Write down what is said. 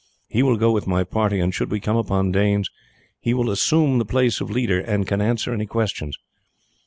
He will go with my party, and should we come upon Danes he will assume the place of leader, and can answer any questions.